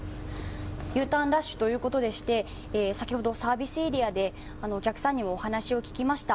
Ｕターンラッシュということでして先ほどサービスエリアでお客さんにお話を聞きました。